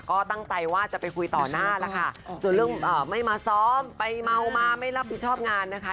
ก็ตั้งใจว่าจะไปคุยต่อหน้าแล้วค่ะส่วนเรื่องไม่มาซ้อมไปเมามาไม่รับผิดชอบงานนะคะ